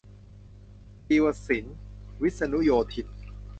ทวีศิลป์ วิษณุโยธิน